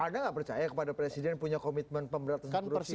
anda nggak percaya kepada presiden punya komitmen pemberantasan korupsi